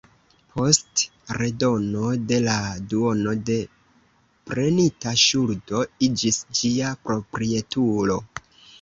Post redono de la duono de prenita ŝuldo iĝis ĝia proprietulo.